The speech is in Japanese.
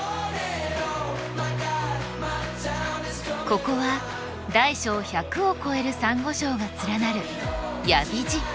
ここは大小１００を超えるサンゴ礁が連なる八重干瀬。